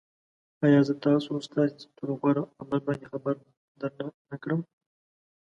آیا زه تاسو ستاسې تر ټولو غوره عمل باندې خبر درنه نه کړم